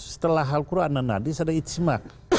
setelah hal quran dan hadis ada ijma